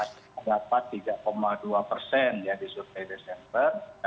dapat tiga dua persen di survei desember